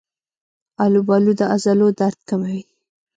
آلوبالو د عضلو درد کموي.